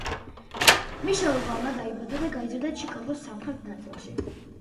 მიშელ ობამა დაიბადა და გაიზარდა ჩიკაგოს სამხრეთ ნაწილში.